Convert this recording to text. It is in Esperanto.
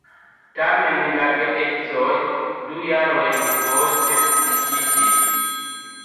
Tamen la geedzoj du jarojn poste disiĝis.